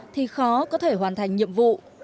thì khó có thể hoàn thành nhiệm vụ